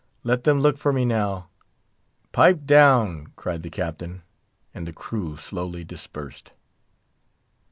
Let them look for me now!" "Pipe down!" cried the Captain, and the crew slowly dispersed.